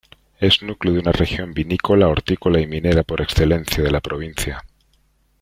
Es núcleo de una región vinícola, hortícola y minera por excelencia de la provincia.